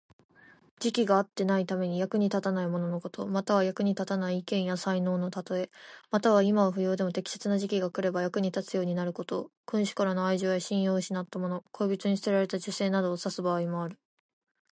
時期が合っていないために、役に立たないもののこと。または、役に立たない意見や才能のたとえ。または、今は不要でも適切な時期が来れば役に立つようになること。君主からの愛情や信用を失ったもの、恋人に捨てられた女性などを指す場合もある。